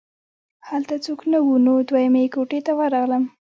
هلته څوک نه وو نو دویمې کوټې ته ورغلم